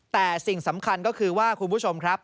แต่สิ่งสำคัญก็คือว่าคุณผู้ชมครับ